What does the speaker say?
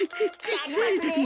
やりますね